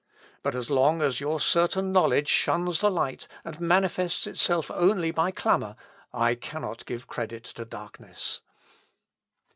But as long as your certain knowledge shuns the light, and manifests itself only by clamour, I cannot give credit to darkness.